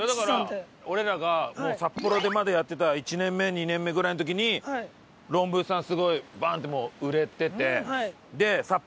いやだから俺らが札幌でまだやってた１年目２年目ぐらいの時にロンブーさんすごいバンってもう売れてて。